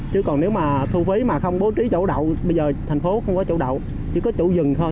chứ còn nếu mà thu phí mà không bố trí chỗ đậu bây giờ thành phố không có chỗ đậu chỉ có chỗ dừng thôi